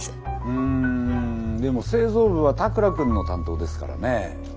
うんでも製造部は田倉君の担当ですからね。